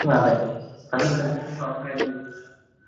বিড়ালটি সবসময় তার থেকে পালিয়ে বেড়ায়।